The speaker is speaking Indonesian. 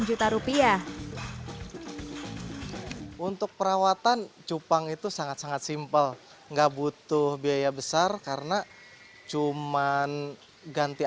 juta rupiah untuk perawatan cupang itu sangat sangat simpel enggak butuh biaya besar karena cuman ganti